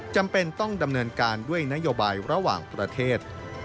จำเป็นต้องดำเนินการด้วยนโยบายระหว่างประเทศ